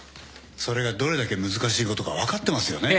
それがどれだけ難しいことか分かってますよね？